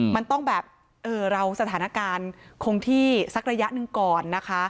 มันต้องแบบเออเราสถานการณ์คงที่สักระยะหนึ่งก่อนนะคะ